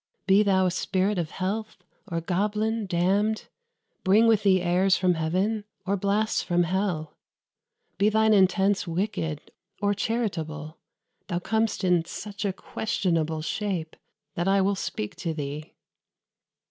Be thou a spirit of health, or goblin damned, Bring with thee airs from heaven, or blasts from hell, Be thine intents wicked or charitable, Thou com'st in such a questionable shape, That I will speak to thee."